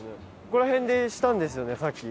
ここら辺でしたんですよねさっき。